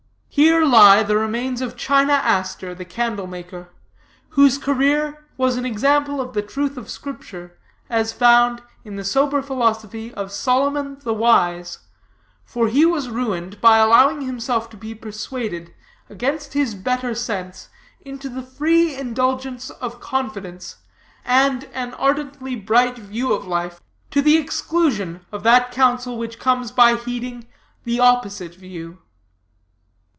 'HERE LIE THE REMAINS OF CHINA ASTER THE CANDLE MAKER, WHOSE CAREER WAS AN EXAMPLE OF THE TRUTH OF SCRIPTURE, AS FOUND IN THE SOBER PHILOSOPHY OF SOLOMON THE WISE; FOR HE WAS RUINED BY ALLOWING HIMSELF TO BE PERSUADED, AGAINST HIS BETTER SENSE, INTO THE FREE INDULGENCE OF CONFIDENCE, AND AN ARDENTLY BRIGHT VIEW OF LIFE, TO THE EXCLUSION OF THAT COUNSEL WHICH COMES BY HEEDING THE OPPOSITE VIEW.'